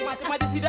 macem aja sih dia